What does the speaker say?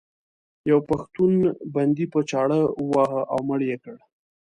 یو پښتون بندي په چاړه وواهه او مړ یې کړ.